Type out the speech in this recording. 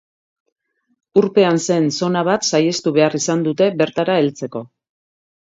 Urpean zen zona bat saihestu behar izan dute bertara heltzeko.